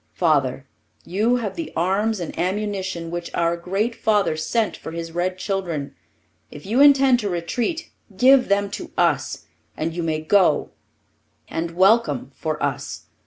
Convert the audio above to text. Father, you have the arms and ammunition which our great father sent for his red children. If you intend to retreat, give them to us, and you may go, and welcome, for us.